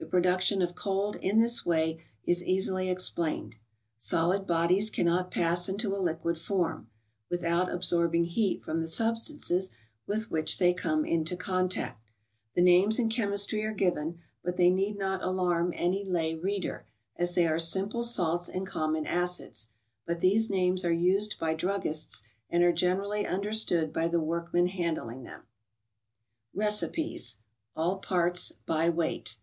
The production of cold in this way is easily ex¬ plained : solid bodies cannot pass into a liquid form, with¬ out absorbing heat from the substances with which they come into contact. The names in chemistry are given, but they need not alarm any lay reader, as they are simple salts and common acids ; but these names are used by druggists, and are generally understood by the workmen handling them. ICED BEVERAGES. 75 asecipeis (All parts by weight).